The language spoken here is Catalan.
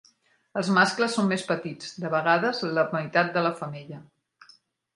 Els mascles són més petits, de vegades la meitat de la femella.